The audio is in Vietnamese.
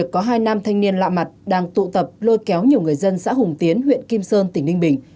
có hai nam thanh niên lạ mặt đang tụ tập lôi kéo nhiều người dân xã hùng tiến huyện kim sơn tỉnh ninh bình